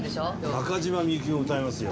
中島ゆきこを歌いますよ。